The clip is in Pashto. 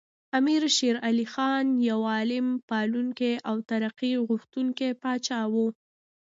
امیر شیر علی خان یو علم پالونکی او ترقي خوښوونکی پاچا و.